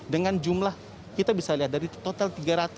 dengan jumlah kita bisa lihat dari total tiga ratus